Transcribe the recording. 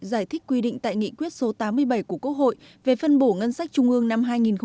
giải thích quy định tại nghị quyết số tám mươi bảy của quốc hội về phân bổ ngân sách trung ương năm hai nghìn hai mươi